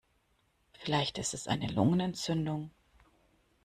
Vielleicht ist es eine Lungenentzündung.